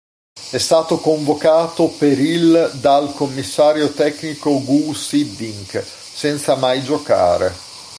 È stato convocato per il dal Commissario tecnico Guus Hiddink, senza mai giocare.